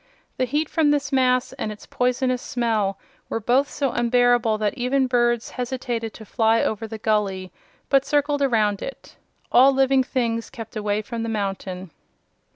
The heat from this mass and its poisonous smell were both so unbearable that even birds hesitated to fly over the gully, but circled around it. All living things kept away from the mountain.